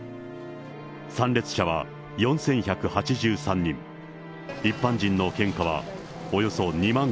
参列者は４１８３人、一般人の献花はおよそ２万５０００人。